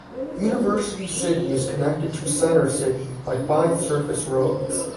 University City is connected to Center City by five surface roads.